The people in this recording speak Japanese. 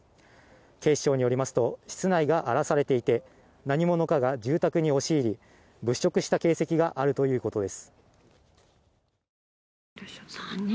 警視庁によりますと室内が荒らされていて何者かが住宅に押し入り物色した形跡があるということです